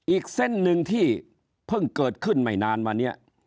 อีกเส้นหนึ่งที่เพิ่งเกิดขึ้นไม่นานมาเนี่ย